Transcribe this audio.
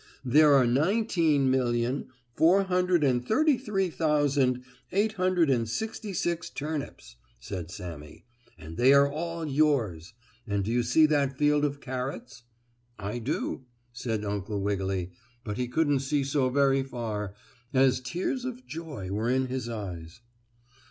"There are nineteen million, four hundred and thirty three thousand, eight hundred and sixty six turnips," said Sammie, "and they are all yours. And do you see that field of carrots?" "I do," said Uncle Wiggily, but he couldn't see so very far, as tears of joy were in his eyes.